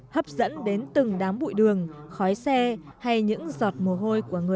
hấp dẫn đến từng đám bụi đường khói xe hay những giọt mồ hôi của người